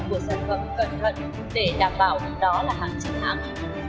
chỉ sử dụng sản phẩm cẩn thận để đảm bảo đó là hàng chứng hãng